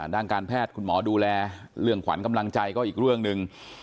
ด้านการแพทย์คุณหมอดูแลเรื่องขวัญกำลังใจก็อีกเรื่องหนึ่ง